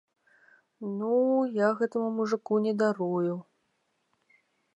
Ну, я гэтаму мужыку не дарую!